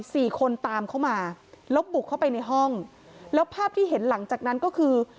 สี่คนตามเข้ามาแล้วบุกเข้าไปในห้องแล้วภาพที่เห็นหลังจากนั้นก็คือ